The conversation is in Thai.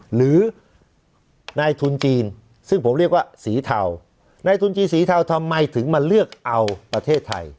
หรือนายทุนจีนซึ่งผมเรียกว่าสีเทาในทุนจีนสีเทาทำไมถึงมาเลือกเอาประเทศไทย